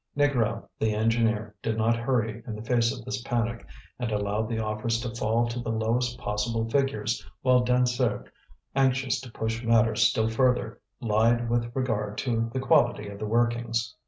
Négrel, the engineer, did not hurry in the face of this panic, and allowed the offers to fall to the lowest possible figures, while Dansaert, anxious to push matters still further, lied with regard to the quality of the workings.